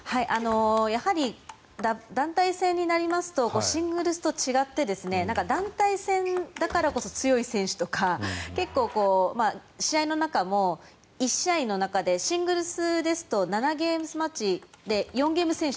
やはり団体戦になりますとシングルスと違って団体戦だからこそ強い選手とか結構、試合の中も１試合の中でシングルスですと７ゲームスマッチで４ゲーム先取。